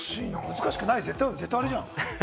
難しくないよ、絶対あれじゃん。